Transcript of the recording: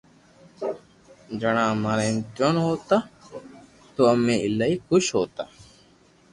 جڻا امارا امتحان ھوتا تو امي ايلائي خوݾ ھوتا